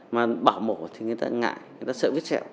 mà bảo mổ thì người ta ngại người ta sợ viết sẹo